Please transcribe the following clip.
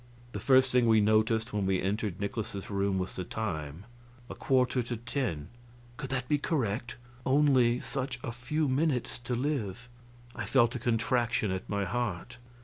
The first thing we noticed when we entered Nikolaus's room was the time a quarter to 10. Could that be correct? Only such a few minutes to live! I felt a contraction at my heart.